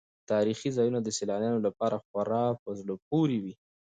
تاریخي ځایونه د سیلانیانو لپاره خورا په زړه پورې وي.